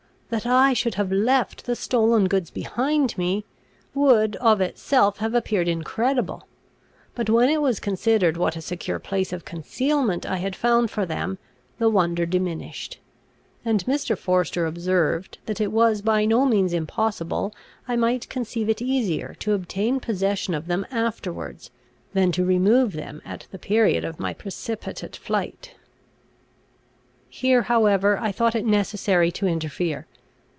That I should have left the stolen goods behind me, would of itself have appeared incredible; but when it was considered what a secure place of concealment I had found for them, the wonder diminished; and Mr. Forester observed, that it was by no means impossible I might conceive it easier to obtain possession of them afterwards, than to remove them at the period of my precipitate flight. Here however I thought it necessary to interfere.